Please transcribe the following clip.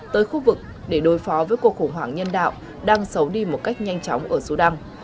tới khu vực để đối phó với cuộc khủng hoảng nhân đạo đang xấu đi một cách nhanh chóng ở sudan